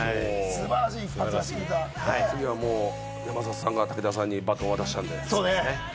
次はもう、山里さんが武田さんにバトンを渡したんで。